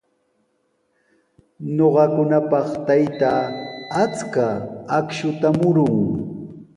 Ñuqakunapaq taytaa achka akshuta murun.